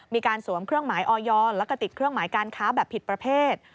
มีการสวมเครื่องหมายออยอร์แล้วก็ติดเครื่องหมายการค้าแบบผิดประเภท